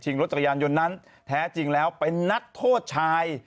รถจักรยานยนต์นั้นแท้จริงแล้วเป็นนักโทษชาย